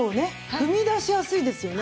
踏み出しやすいですよね。